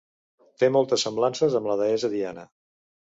Té moltes semblances amb la deessa Diana.